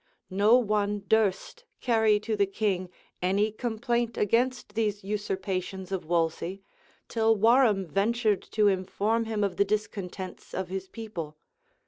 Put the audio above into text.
No one durst carry to the king any complaint against these usurpations of Wolsey, till Warham ventured to inform him of the discontents of his people.